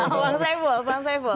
bang saiful bang saiful